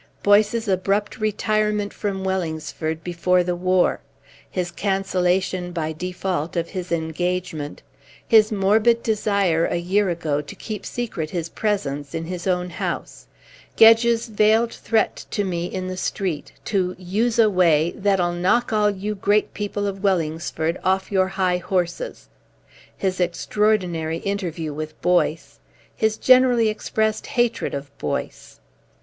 Boyce's abrupt retirement from Wellingsford before the war; his cancellation by default of his engagement; his morbid desire, a year ago, to keep secret his presence in his own house; Gedge's veiled threat to me in the street to use a way "that'll knock all you great people of Wellingsford off your high horses;" his extraordinary interview with Boyce; his generally expressed hatred of Boyce.